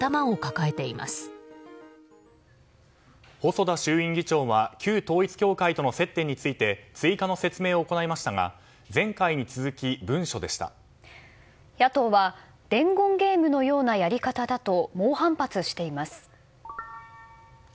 細田衆院議長は旧統一教会との接点について追加の説明を行いましたが前回に続き野党は伝言ゲームのようなやり方だと猛反発しています。